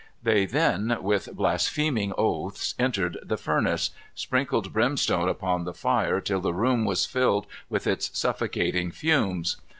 They then with blaspheming oaths entered this furnace, and sprinkled brimstone upon the fire till the room was filled with its suffocating fumes.